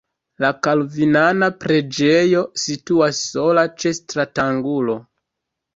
La kalvinana preĝejo situas sola ĉe stratangulo.